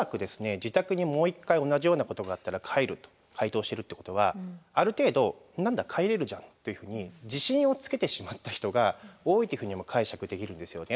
自宅にもう一回同じようなことがあったら帰ると回答してるってことはある程度「何だ帰れるじゃん」というふうに自信をつけてしまった人が多いというふうにも解釈できるんですよね。